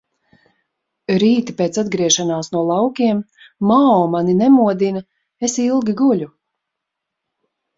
Rīti pēc atgriešanās no laukiem – Mao mani nemodina – es ilgi guļu.